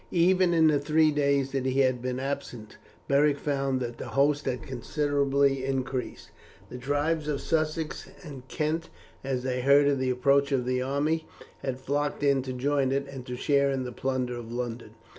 Even in the three days that he had been absent Beric found that the host had considerably increased. The tribes of Sussex and Kent, as they heard of the approach of the army, had flocked in to join it, and to share in the plunder of London.